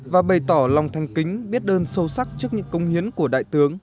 và bày tỏ lòng thanh kính biết ơn sâu sắc trước những công hiến của đại tướng